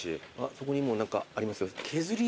そこにも何かありますよ。